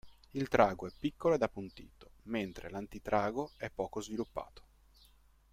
Il trago è piccolo ed appuntito, mentre l'antitrago è poco sviluppato.